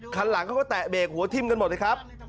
คันหลังเขาก็แตะเบรกหัวทิ้มกันหมดเลยครับ